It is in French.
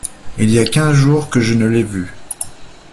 Il y a quinze jours que je ne l’ai vu.